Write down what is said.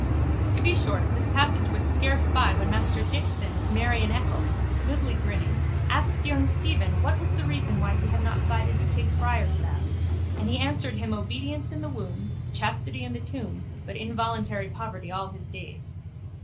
To be short this passage was scarce by when Master Dixon of Mary in Eccles, goodly grinning, asked young Stephen what was the reason why he had not cided to take friar's vows and he answered him obedience in the womb, chastity in the tomb but involuntary poverty all his days.